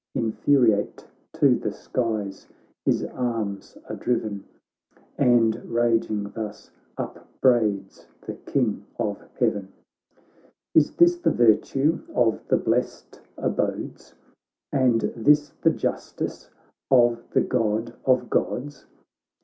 Infuriate to the skies his arms are driven, And raging thus upbraids the King of Heaven :' Is this the virtue of the blest abodes, And this the justice of the God of Gods